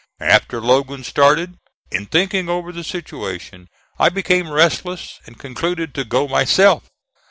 After Logan started, in thinking over the situation, I became restless, and concluded to go myself.